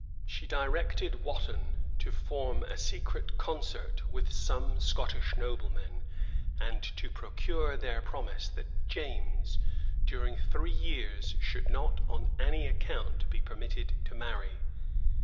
She directed Wotton to form a secret concert with some Scottish noblemen, and to procure their promise, that James, during three years, should not on any account be permitted to marry.